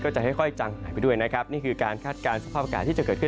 จะค่อยจังหายไปด้วยนะครับนี่คือการคาดการณ์สภาพอากาศที่จะเกิดขึ้น